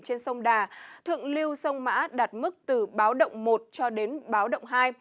trên sông đà thượng lưu sông mã đạt mức từ báo động một cho đến báo động hai